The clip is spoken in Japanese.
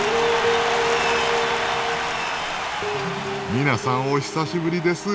皆さんお久しぶりです。